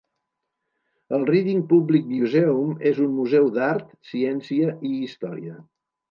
El Reading Public Museum és un museu d'art, ciència i història.